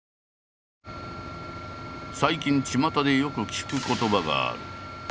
最近ちまたでよく聞く言葉がある。